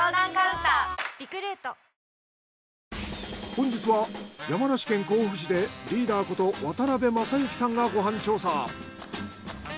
本日は山梨県甲府市でリーダーこと渡辺正行さんがご飯調査。